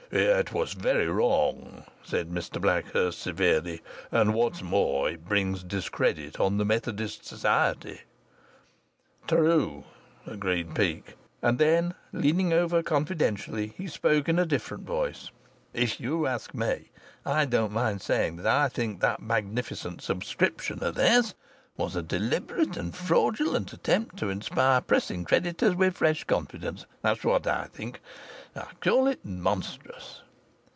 "It was very wrong," said Mr Blackhurst, severely, "and what's more, it brings discredit on the Methodist society." "True!" agreed Peake, and then, leaning over confidentially, he spoke in a different voice: "If you ask me, I don't mind saying that I think that magnificent subscription o' theirs was a deliberate and fraudulent attempt to inspire pressing creditors with fresh confidence. That's what I think. I call it monstrous."